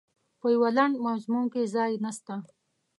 په یوه لنډ مضمون کې ځای نسته.